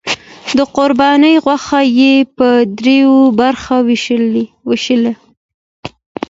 د قربانۍ غوښه یې په دریو برخو وویشله.